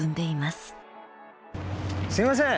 すいません。